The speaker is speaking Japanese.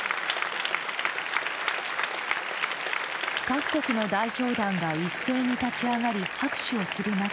各国の代表団が一斉に立ち上がり拍手をする中